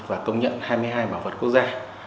và công nhận hai mươi hai bảo vật quốc gia